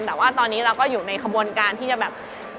แต่ว่าตอนนี้เราก็อยู่ในขบวนการที่จะแบบ